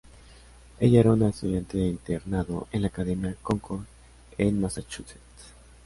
Ella era una estudiante de internado en la Academia Concord en Massachusetts.